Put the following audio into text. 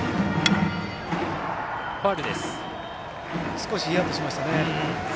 少しヒヤッとしましたね。